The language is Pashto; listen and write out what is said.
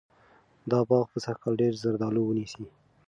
دا باغ به سږکال ډېر زردالو ونیسي.